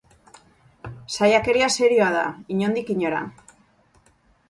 Saiakera serioa da, inondik inora.